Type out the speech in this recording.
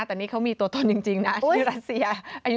แต่นี่เขามีตัวตนจริงนะที่รัสเซียอายุ